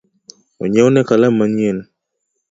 Onyiewne kalam manyien